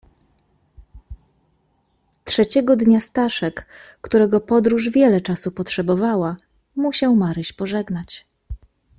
"Trzeciego dnia Staszek, którego podróż wiele czasu potrzebowała, musiał Maryś pożegnać."